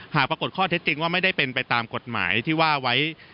หากปรากฏข้อเท็จจริงว่าไม่ได้เป็นไปตามกฎหมายที่ว่าไว้